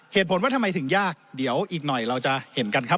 เหตุผลว่าทำไมถึงยากเดี๋ยวอีกหน่อยเราจะเห็นกันครับ